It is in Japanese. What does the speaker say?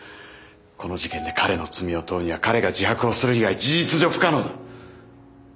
この事件で彼の罪を問うには彼が自白をする以外事実上不可能だ。